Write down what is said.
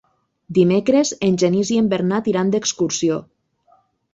Dimecres en Genís i en Bernat iran d'excursió.